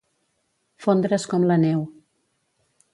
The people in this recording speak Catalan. Fondre's com la neu.